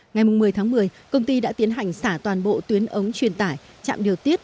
ngày một mươi tháng một mươi công ty đã tiến hành xả toàn bộ tuyến ống truyền tải trạm điều tiết